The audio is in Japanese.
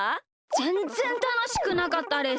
ぜんぜんたのしくなかったです。